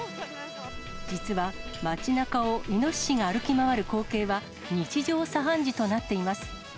実は街なかをイノシシが歩き回る光景は日常茶飯事となっています。